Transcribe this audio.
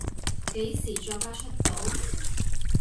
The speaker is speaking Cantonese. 幾時作家出道？